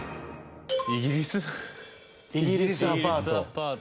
イギリスアパート。